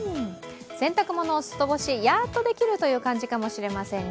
洗濯物を外干しやっとできるという感じかもしれません。